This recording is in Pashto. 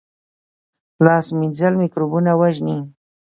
لاس مینځل مکروبونه وژني